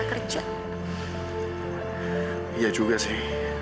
oh ya sudah udah